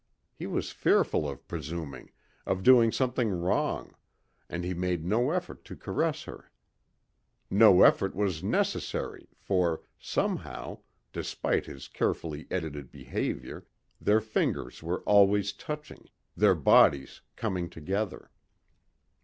He was fearful of presuming, of doing something wrong, and he made no effort to caress her. No effort was necessary for, somehow, despite his carefully edited behavior, their fingers were always touching, their bodies coming together.